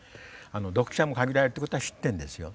読者も限られるっていうことは知ってるんですよ。